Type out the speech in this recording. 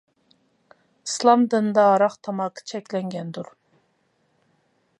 ئىسلام دىنىدا ھاراق تاماكا چەكلەنگەندۇر.